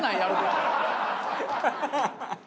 ハハハハ！